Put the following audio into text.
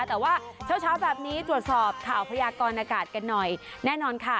แต่ว่าเช้าเช้าแบบนี้ตรวจสอบข่าวพยากรอากาศกันหน่อยแน่นอนค่ะ